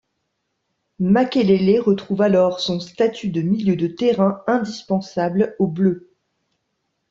Makelele retrouve alors son statut de milieu de terrain indispensable aux Bleus.